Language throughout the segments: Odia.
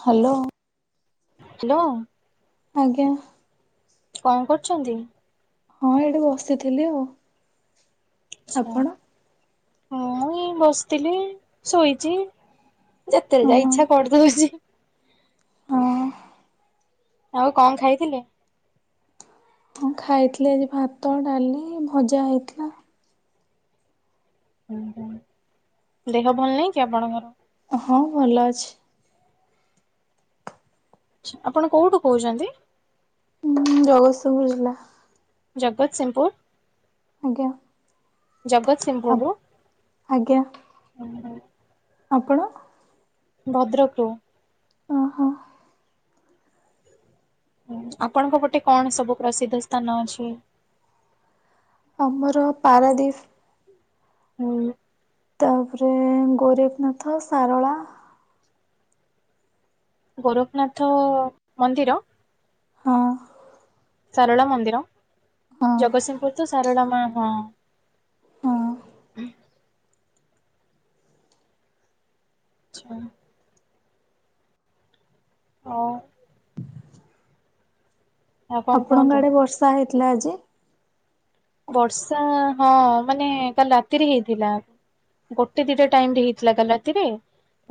ହ୍ୟାଲୋ। ହ୍ୟାଲୋ। ଆଜ୍ଞା। କଣ କରୁଛନ୍ତି? ହଁ ଏଇଠି ବସିଥିଲି ଆଉ। ଆଛା ଆପଣ? ହଁ ମୁ ବସିଥିଲି ଶୋଇଛି। ହଁ। ଯେତେବେଳେ ଯା ଇଚ୍ଛା କରିଦେଉଛି। ହଁ। ଆଉ କଣ ଖାଇଥିଲେ? ହଁ ଖାଇଥିଲି ଆଜି ଭାତ ଡାଲି ଭଜା ହେଇଥିଲା। ହୁଁ ହୁ ଦେହ ଭଲ ନାହିଁ କି ଆପଣଙ୍କର। ହଁ ଭଲ ଅଛି। ଆପଣ କୋଉଠୁ କହୁଛନ୍ତି? ହୁଁ ଜଗତସିଂ ଜିଲ୍ଲା। ଜଗତସିଂହପୁର। ଆଜ୍ଞା। ଜଗତସିଂହପୁର ରୁ। ଆଜ୍ଞା ଆପଣ। ଭଦ୍ରକରୁ। ଓହୋ। ହୁଁ ଆପଣଙ୍କ ପଟେ କଣ ସବୁ ପ୍ରସିଦ୍ଧ ସ୍ଥାନ ଅଛି? ଆମର ପାରାଦ୍ୱୀପ୍। ହୁଁ ତାପରେ ଗୋରେଖନାଥ ସାରଳା। ଗୋରଖନାଥ ମନ୍ଦିର? ହଁ। ସାରଳା ମନ୍ଦିର, ହଁ। ଜଗତସିଂହପୁର ତ ସାରଳା ମା ହଁ। ହଁ ଆଚ୍ଛା। ହଉ। ଆଉ କଣ ଆପଣଙ୍କ କୁହନ୍ତୁ? ଆଡ଼େ ବର୍ଷା ହେଇଥିଲା ଆଜି? ବର୍ଷା ହଁ ମାନେ କାଲି ରାତିରେ ହେଇଥିଲା। ଗୋଟେ ଦିଟା ଟାଇମ୍ ରେ ହେଇଥିଲା କାଲି ରାତିରେ।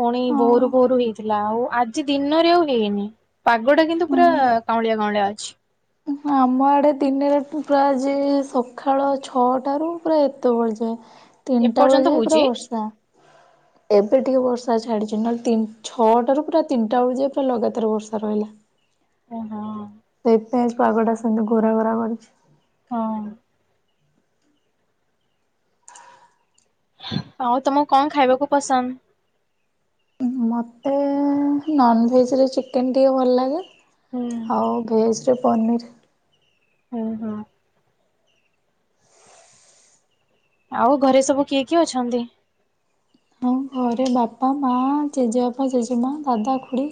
ପୁଣି ଭୋରୁ ଭୋରୁ ହେଇଥିଲା ଆଉ ଆଜି ଦିନରେ ଆଉ ହେଇନି। ପାଗ ଟା କିନ୍ତୁ ପୁରା ହଁ। କାଉଁଳିଆ କାଉଁଳିଆ ଅଛି। ଆମ ଆଡ଼େ ଦିନେରେ ତ ପ୍ରାୟ ଯେ ସକାଳ ଛଅଟାରୁ ପୁରା ଏତେବେଳ ଯାଏ। ତିନିଟା ବେଳ ଏପର୍ଯ୍ୟନ୍ତ ଯାଏଁ ପୁରା ହଉଛି। ବର୍ଷା। ଏବେ ଟିକେ ବର୍ଷା ଛାଡିଛି ନହେଲେ ତିନ ଛଅଟାରୁ ପୁରା ତିନିଟା ବେଳ ଯାଏ ପୁରା ଲଗାତାର ବର୍ଷା ରହିଲା। ଓହୋ ସେଇଥିପାଇଁ ଆଜି ପାଗଟା ସେମିତି ଘୋରା ଘୋରା କରିଛି। ହଁ। ଆଉ ତମକୁ କଣ ଖାଇବାକୁ ପସନ୍ଦ? ମୋତେ ନନ୍ଭେଜ୍ ରେ ଚିକେନ୍ ଟିକେ ଭଲ ଲାଗେ। ହୁଁ ଆଉ ଭେଜ୍ ରେ ପନିର୍। ହୁଁ ହୁଁ ଆଉ ଘରେ ସବୁ କିଏ କିଏ ଅଛନ୍ତି? ହଁ ଘରେ ବାପା, ମା, ଜେଜେବାପା, ଜେଜେମା, ଦାଦା, ଖୁଡ଼ି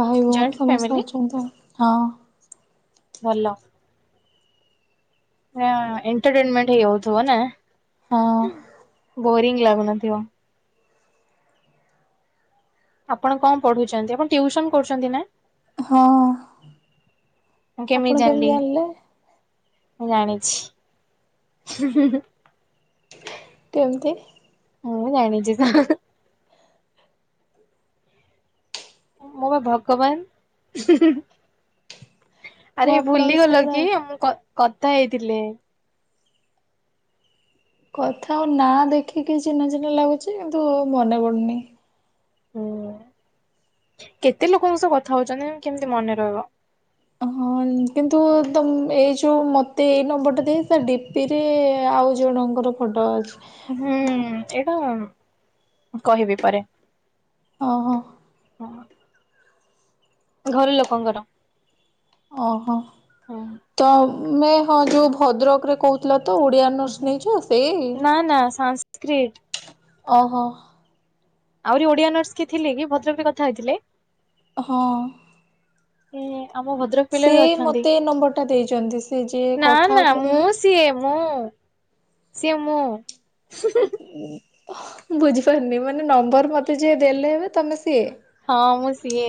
ଭାଇ ଭଉଣୀ ଜଏଣ୍ଟ ସମସ୍ତେ ଫ୍ୟାମିଲି ଅଛନ୍ତି ଆଉ ହଁ। ଭଲ ଆଁ ଏଣ୍ଟରଟେନମେଣ୍ଟ ହେଇଯାଉଥିବ ନା! ହଁ ବୋରିଂ ଲାଗୁନଥିବ। ଆପଣ କଣ ପଢୁଛନ୍ତି ଆପଣ ଟିୟୁସନ୍ କରୁଛନ୍ତି ନା? ହଁ ମୁଁ ଆପଣ କେମିତି ଜାଣିଲି? ଜାଣିଲେ? ମୁଁ ଜାଣିଛି, ହୁଁ ହୁଁ ହୁଁ କେମ୍ତି? ମୁଁ ଜାଣିଛି ତ ହଁ ହଁ ମୁଁ ବା ଭଗବାନ ହୁଁ ହୁଁ ହୁଁ ମୁଁ ଆରେ ଆପଣଙ୍କ ଭୁଲି ଗଲ ସାଙ୍ଗରେ କି ମୁଁ କ କଥା ହେଇଥିଲେ। କଥା ଆଉ ନାଁ ଦେଖିକି ଚିହ୍ନା ଚିହ୍ନା ଲାଗୁଛି କିନ୍ତୁ ମନେ ପଡୁନି। ହୁଁ କେତେ ଲୋକଙ୍କ ସହ କଥା ହଉଛନ୍ତି କେମିତି ମନେ ରହିବ। ହଁ କିନ୍ତୁ ତମ ଏଇ ଯୋଉ ମୋତେ ଏଇ ନମ୍ବରଟା ଦିଆ ହେଇଥିଲା ଡିପିରେ ଆଉ ଜଣଙ୍କର ଫଟୋ ଅଛି। ହୁଁ ଏଇଟା କହିବି ପରେ। ହଁ ହଁ ଘର ଲୋକଙ୍କର ଓହୋ ହଁ ତମେ ହଁ ଯୋଉ ଭଦ୍ରକରେ କହୁଥିଲା ତ ଓଡିଆ ଅନର୍ସ ନେଇଛ ସେଇ ନା ନା ସାଁ କ୍ରୀଟ ଓହୋ ଆହୁରି ଓଡିଆ ଅନର୍ସ କିଏ ଥିଲେ କି ଭଦ୍ରକ ରେ କଥା ହେଇଥିଲେ ହଁ ହୁଁ ଆମ ଭ ସେ ମତେ ଏ ନମ୍ବର ଟା ଦେଇଛନ୍ତି ସେ ଯିଏ କଥା ହଉଥିଲେ କି ସେ ମୁ ସେ ମୁ ହୁଁ ହୁଁ ହୁଁ ବୁଝିପାରୁନି ମାନେ ନମ୍ବର ମତେ ଯିଏ ଦେଲେ ଏବେ ତମେ ସିଏ ହଁ ମୁଁ ସିଏ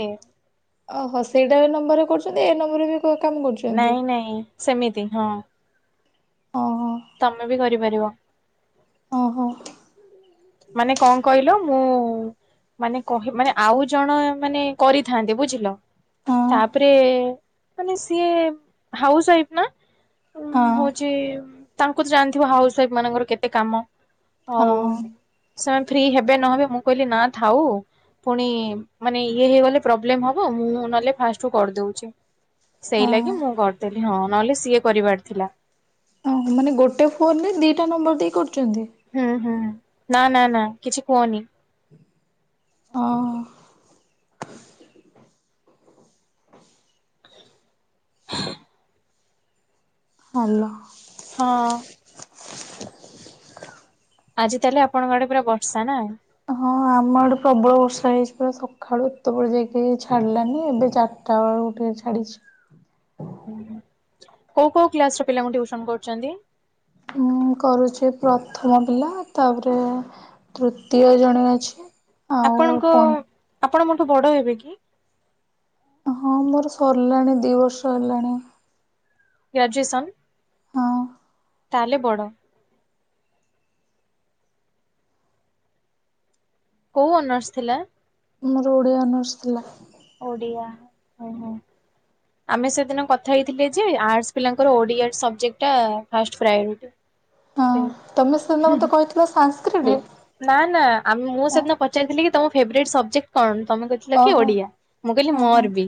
ଓହୋ ସେଇଟା ଏ ନମ୍ବରେ କରୁଛନ୍ତି ଏ ନମ୍ବରରେ ବି ହ କାମ କରୁଛନ୍ତି ନାଇଁ ନାଇଁ ସେମିତି ହଁ ହଁ ତମେ ବି କରିପାରିବ ଓହୋ ମାନେ କଣ କହିଲ ମୁଁ ମାନେ କହି ମାନେ ଆଉ ଜଣ ମାନେ କରିଥାନ୍ତିେ ବୁଝିଲ ହଁ ତାପରେ ମାନେ ସିଏ ହାଉସ ୱାଇଫ୍ ନା? ଉ ହଁ ହୋଉଚି ତାଙ୍କୁ ତ [unintelligible] ଜାଣିଥିବ ହାଉସୱାଇଫ ମାନଙ୍କର କେତେ କାମ ଆଉ। ହଁ ସାର୍ ଫ୍ରି ହେବେ ନହବେ ମୁଁ କହିଲି ନା ଥାଉ। ଫୁଣି ମାନେ ଇଏ ହେଇଗଲେ ପ୍ରୋବ୍ଲେମ ହବ। ମୁଁ ନହେଲେ ଫାଷ୍ଟରୁ କରିଦୋଉଚି ସେଇଲାଗି ହଁ। ମୁଁ କରିଦେଥିଲି ହଁ ନହେଲେ ସିଏ କରିବାର ଥିଲା। ହଁ ମାନେ ଗୋଟେ ଫୋନରେ ଦିଇଟା ନମ୍ବର ଦେଇ କରୁଚନ୍ତି। ହୁଁ ହୁଁ ନାଁ ନାଁ ନାଁ କିଛି କୁହନି। ଅ [unintelligible] ହାଲୋ। ହଁ। ଆଜି ତାହଲେ ଆପଣଙ୍କ ଆଡେ ପୁରା ବର୍ଷା ନା। ହଁ ଆମ ଆଡେ ପ୍ରବଳ ବର୍ଷା ହେଇଚି ପୁରା ସକାଳୁ ଏତେ ବୋଳ ଯାକେ ଛାଡିଲାନି ଏବେ ଚା ରିଟାବେଳ କୁ ଟିକେ ଟିଟେ ଛାଡିଚି। [unintelligible] କୋ କୋ କ୍ଲାସର ପିଲାଙ୍କୁ ଟିଉସନ କରୁଚନ୍ତି? ଉଁ କରୁଛି ପ୍ରଥମ ପିଲା ତାପରେ ତୃତୀୟ ଜଣେ ଅଛି। ଆଉ ଆପଣଙ୍କ ପଞ୍ଚ ଆପଣ ମୋଠୁ ବଡ ହେବେ କି? ହଁ ମୋର ସରିଲାଣି ଦିଇ ବର୍ଷ ହେଲାଣି। ଗ୍ରାଜୁଏସନ୍। ହଁ। ତାହେଲେ ବଡ। କୋଉ ଅନର୍ସ ଥିଲା? ମୋର ଓଡିଆ ଅନର୍ସ ଥିଲା। ଓଡିଆ ହୁଁ ହୁଁ। ଆମେ ସେ ଦିନ କଥା ହେଇଥିଲେ ଯେ ଆର୍ଟସ ପିଲାଙ୍କର ଓଡିଆ ସବଜେକ୍ଟ ଫାଷ୍ଟ ପ୍ରାୟରୁଟି। ହଁ ତମେ ସେଦିନ ମତେ କହିଥିଲ ସାଂସ୍କ୍ରିଟି? ମୁଁ ନା ନା ଆ ମୁଁ ସେଦିନ ପଚାରଥିଲି କି ତମ ଫେବରାଇଟି ସବଜେକ୍ଟ କଣ? ତମେ କହି ଥିଲ କି ଓହୋ ଓଡିଆ। ମୁଁ କହିଲି ହଁ ହଁ ମୋର ବି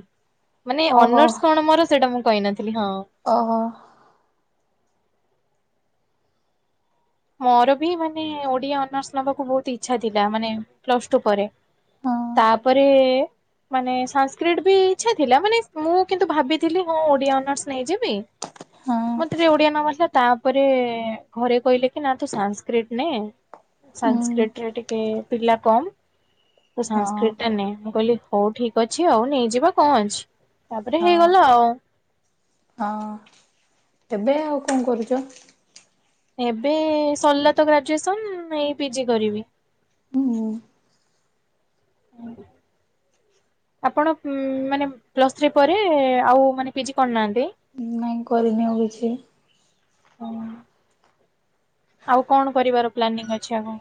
ମାନେ ଓହୋ ଅନର୍ସ କଣ ମୋର ସେଇଟା ମୁଁ କହିନଥିଲି ହଁ। ଓହୋ। ମୋର ବି ମାନେ ଓଡିଆ ଅନର୍ସ ନବାକୁ ବୋହୁତ ଇଚ୍ଛା ଥିଲା ମାନେ ପ୍ଲସ ଟୁ ପରେ। ହଁ ତାପରେ ମାନେ ସାନ୍ସକ୍ରିଟ୍ ବି ଇଚ୍ଛା ଥିଲା ମାନେ ମୁଁ କିନ୍ତୁ ଭାବିଥିଲି ହଁ ଓଡିଆ ଅନର୍ସ ନେଇ ଯି ବି ହଁ ମତେ ଟିକେ ଓଡିଆ ନେବାର ଥିଲା ତାପରେ ଘରେ କହିଲେ କି ନା ତୁ ସାନ୍ସକ୍ରିଟ୍ ନେ ହୁଁ ସାନ୍ସକ୍ରିଟ୍ ରେ ଟିକେ ପିଲା କମ୍। ତୁ ହଁ ସାନ୍ସକ୍ରିଟ୍ ଟା ନେ ମୁଁ କହିଲି ହୋଉ ଠିକ୍ ଅଛି ଆଉ ନେଇଯିବା କଣ ଅଛି। ତାପରେ ହଁ ହେଇଗଲା ଆଉ। ହଁ ଏବେ ଆଉ କଣ କରୁଚ? ଏବେ ସରିଲା ତ ଗ୍ରାଜୁଏସନ ଏଇ ପିଜି କରିବି। ହୁଁ ହୁଁ। ଆପଣ ପ୍ନୁ ମାନେ ପ୍ଲସଥ୍ରୀ ପରେ ଆଉ ମାନେ ପିଜି କରି ନାହାନ୍ତି। ନାଇଁ କରିନି ଆଉ କିଛି। ହୁଁ ଆଉ କଣ କରିବାର ପ୍ଲାନିଙ୍ଗ ଅଛି ଆଗକୁ?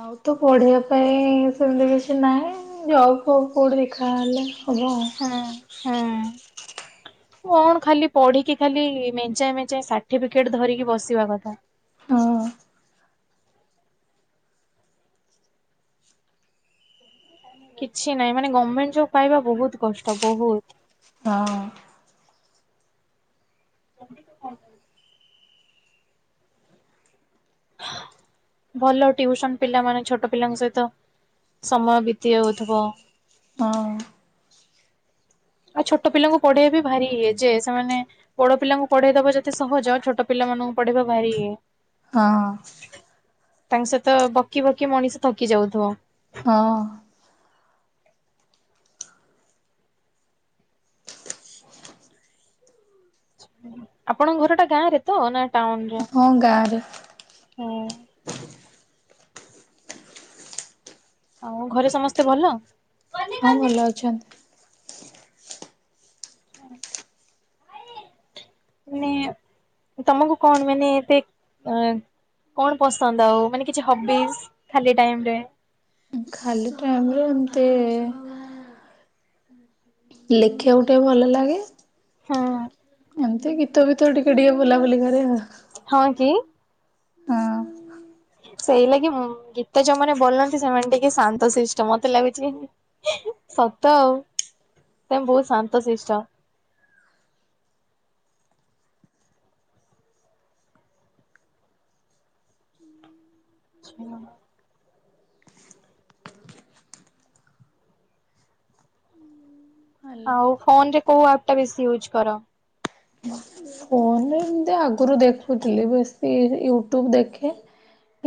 ଆଉ ତ ପଢେଇବା ପାଇଁ ସେମିତି କିଛି ନାହିଁ। ଜବ୍ ଫବ୍ କୋଉଟେ ଦେଖା ହେଲେ ହେବ ହୁଁ ହୁଁ। ଆଉ। କଣ ଖାଲି ପଢିକି ଖାଲି ମେଞ୍ଚାଏ ମେଞ୍ଚାଏ ସାର୍ଟିଫିକେଟ ଧରିକି ବସିବା କଥା। ହଁ କିଛି ନାହିଁ ମାନେ ଗମେଣ୍ଟ ଜବ ପାଇବା ବହୁତ କଷ୍ଟ ବହୁତ। ହଁ। [unintelligible] ଭଲ ଟିଉସନ୍ ପିଲା ମାନେ ଛୋଟ ପିଲାଙ୍କ ସହିତ ସମୟ ବିତି ଯାଉଥିବ। ହଁ। ଆଉ ଛୋଟ ପିଲାଙ୍କୁ ପଢେଇବା ବି ଭାରି ଇ ଯେ ସେମାନେ ବଡ଼ ପିଲାଙ୍କୁ ପଢେଇବା ଦେବା ଯେତେ ସହଜ ଛୋଟ ପିଲାଙ୍କୁ ପଢ଼େଇବା ଭାରି ୟେ ହଁ। ତାଙ୍କ ସହିତ ବକି ବକି ମଣିଷ ଥକି ଯାଉ ଥିବ। ହଁ। ଆପଣଙ୍କ ଘରଟା ଗାଁରେ ତ ନା ଟାଉନ ରେ? ହଁ ଗାଁରେ। ହଁ। ଆଉ ଘରେ ସମସ୍ତେ ଭଲ? ହଁ ଭଲ ଅଛନ୍ତି। [unintelligible] ମାନେ ତମକୁ କଣ ମାନେ ଏତେ କଣ ପସନ୍ଦ ଆଉ ମାନେ କିଛି ହବିସ୍ ଖାଲି ଟାଇମ ରେ? ଖାଲି ଟାଇମ ରେ ଏମିତି ଲେଖିବାକୁ ଟିକେ ଭଲ ଲାଗେ। ହଁ। ଏମିତି ଗୀତ ଫିତ ଟିକେ ଟିକେ ବୋଲାବୋଲି କରେ ଆଉ। ହଁ କି? ହଁ। ସେଇ ଲାଗି ଉଁ ଗୀତ ଯୋଉ ମାନେ ବୋଲନ୍ତି ସେମାନେ ଟିକେ ଶାନ୍ତ ଶିଷ୍ଟ ମତେ ଲାଗୁଛି ସତ ଆଉ ତମେ ବହୁତ ଶାନ୍ତ ଶିଷ୍ଟ। [unintelligible] ଭଲ। ଆଉ ଫୋନ୍ ରେ କୋଉ ଆପ ଟା ବେଶି ୟୁଜ କର? ଫୋନ୍ ରେ ଏମତି ଆଗରୁ ଦେଖୁଥିଲି ବେଶି ୟୁଟ୍ୟୁବ ଦେଖେ।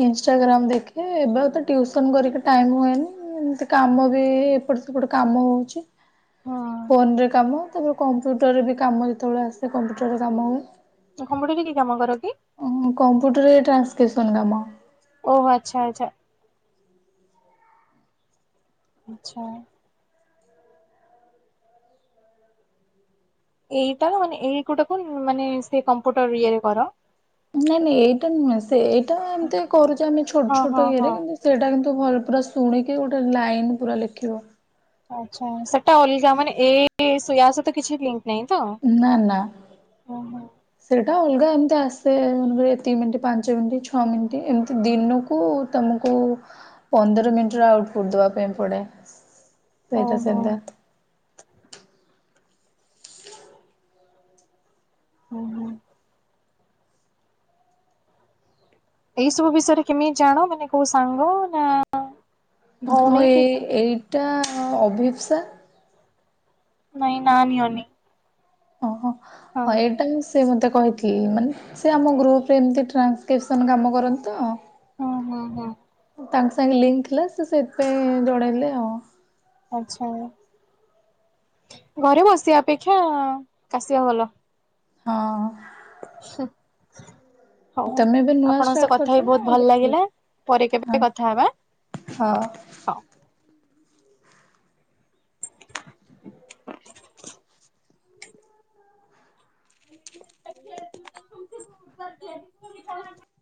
ଇନ୍‌ଷ୍ଟାଗ୍ରାମ ଦେଖେ ଏବେ ଆଉ ତ ଟ୍ୟୁସନ୍ କରିକି ଟାଇମ ହୁଏନି ଏମିତି କାମ ବି ଏପଟେ ସେପଟେ କାମ ହଉଛି। ହଁ ଫୋନରେ କାମ କେବେ କମ୍ପ୍ୟୁଟରରେ ବି କାମ ଯେତେବେଳେ ଆସେ କମ୍ପ୍ୟୁଟରରେ କାମ ହୁଏ। [unintelligible] କି କାମ କର କି? କମ୍ପ୍ୟୁଟର ରେ ଟ୍ରାନ୍ସକ୍ରିପ୍ସନ୍ କାମ। ଓହୋ ଆଚ୍ଛା ଆଚ୍ଛା। ଆଚ୍ଛା। ଏଇଟା ମାନେ ଏଇ ଗୋଟାକୁ ମାନେ ସେ କମ୍ପୁଟର ଇଏରେ କର? ନାଇଁ ନାଇଁ ଏଇଟା ନୁହେଁ ସେ ଏଇଟା ଏମିତି କରୁଛେ ଆମେ ଛୋଟ ହଁ ହଁ ଛୋଟ ଇଏରେ ହଁ। ସେଇଟା କିନ୍ତୁ ଭଲ ପୁରା ଶୁଣିକି ଗୋଟେ ଲାଇନ୍ ପୁରା ଲେଖିବ। ଆଚ୍ଛା ସେଟା ଅଲଗା ମାନେ ଏ ଇୟା ସହିତ କିଛି ଲିଙ୍କ ନାହିଁ ତ? ନା ନା। ଓହୋ ସେଇଟା ଅଲଗା ଏମିତି ଆସେଲଏତିିକି ମିନିଟ ପାଞ୍ଚ ମିନିଟ୍ ଛଅ ମିନିଟ ଏମିତି ଦିନକୁ ତମକୁ ପନ୍ଦର ମିନିଟର ଆଉଟପୁଟ ଦେବା ପାଇଁ ପଡ଼େ। ଓହୋ ସେଇଟା। [inaudible] [inaudible] ଏଇ ସବୁ ବିଷୟରେ କେମିତି ଜାଣ ମାନେ କୋଉ ସାଙ୍ଗ ନା ହଁ ଭଉଣୀ କି ଏଇ କଣ? ଏଇଟା ଅଭିପ୍ସା ନାଇଁ ନା ନିଅନି। ଓହୋ ହଁ ଏଇଟା ସେ ମୋତେ କହିଥିଲେ ମାନେ ସେ ଆମ ଗ୍ରୁପ୍ରରେ ଏମିତି ଟ୍ରାନ୍ସକ୍ରିପସନ କାମ କରନ୍ତି ତ ହଁ ହଁ ହଁ। ତାଙ୍କ ସାଙ୍ଗେ ଲିଙ୍କ ଥିଲା ସେ ସେଇଥିପାଇଁ ଜଣେଇଲେ ଆଉ। ଆଚ୍ଛା ଘରେ ବସିବା ଅପେକ୍ଷା କାସିବା ଭଲ। ହଁ। ହୁଁ। ହଉ ତମେ ଏବେ ନୂଆ ଆପଣଙ୍କ ସହ ଷ୍ଟାର୍ଟ କଥା କରିଛ ବି ନା ବହୁତ ଭଲ ଆଗରୁ ଲାଗିଲା ପରେ ହଁ କେବେ କଥା ହେବା। ହଁ। [inaudible]